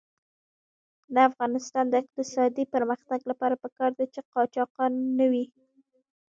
د افغانستان د اقتصادي پرمختګ لپاره پکار ده چې قاچاق نه وي.